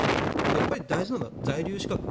やっぱり大事なのは在留資格。